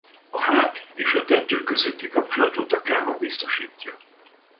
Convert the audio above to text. A hát és a tető közötti kapcsolatot a káva biztosítja.